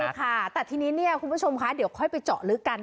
เราก็ไปนี่นะคะแต่ทีนี้คุณผู้ชมค่ะเดี๋ยวค่อยประจำลึกกัน